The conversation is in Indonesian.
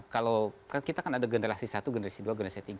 kalau kita kan ada generasi satu generasi dua generasi tiga